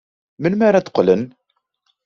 Melmi ara d-qqlen?